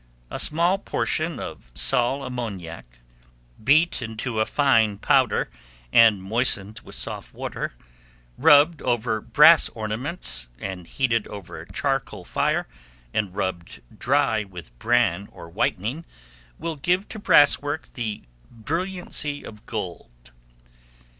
A small portion of sal ammoniac, beat into a fine powder and moistened with soft water, rubbed over brass ornaments, and heated over a charcoal fire, and rubbed dry with bran or whitening, will give to brass work the brilliancy of gold.